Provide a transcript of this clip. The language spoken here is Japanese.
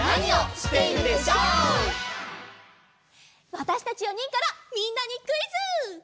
わたしたち４にんからみんなにクイズ！